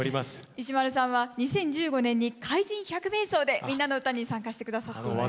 石丸さんは２０１５年に「かいじん百面相」で「みんなのうた」に参加して下さっています。